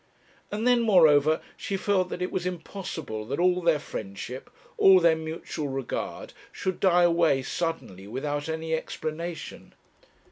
And then, moreover, she felt that it was impossible that all their friendship, all their mutual regard, should die away suddenly without any explanation.